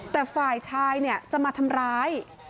แต่ฝ่ายชายจะมาทำร้าย